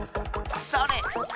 それ！